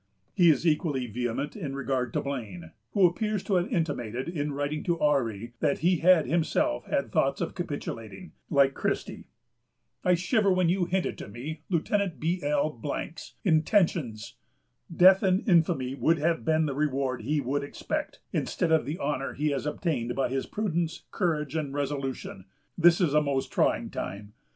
He is equally vehement in regard to Blane, who appears to have intimated, in writing to Ourry, that he had himself had thoughts of capitulating, like Christie. "I shivered when you hinted to me Lieutenant Bl————'s intentions. Death and infamy would have been the reward he would expect, instead of the honor he has obtained by his prudence, courage, and resolution.... This is a most trying time....